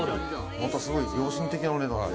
またすごい良心的なお値段で。